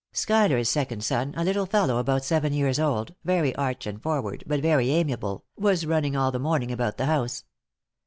Schuyler's second son, a little fellow about seven years old, very arch and forward, but very amiable, was running all the morning about the house.